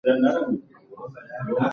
ځکه يوطرف ته يې ورور له دې ځاى څخه تښى وو.